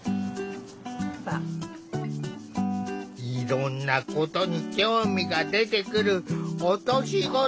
いろんなことに興味が出てくるお年頃だ。